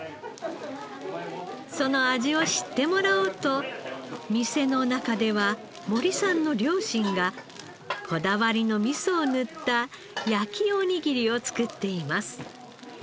その味を知ってもらおうと店の中では森さんの両親がこだわりの味噌を塗った焼きおにぎりを作っています。